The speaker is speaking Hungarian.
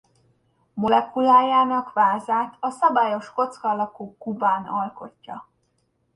Molekulájának vázát a szabályos kocka alakú kubán alkotja.